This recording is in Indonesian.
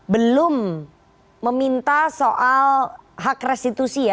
belum meminta soal hak restitusi ya